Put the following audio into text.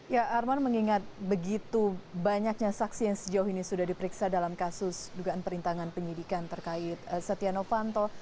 ya arman mengingat begitu banyaknya saksi yang sejauh ini sudah diperiksa dalam kasus dugaan perintangan penyidikan terkait setia novanto